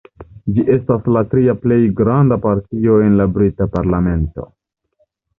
Ĝi estas la tria plej granda partio en la brita parlamento.